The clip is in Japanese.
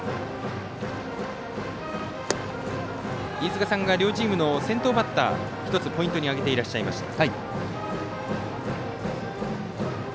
飯塚さんが両チームの先頭バッター１つポイントに挙げていらっしゃいました。